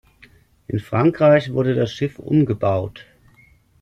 In Frankreich wurde das Schiff umgebaut.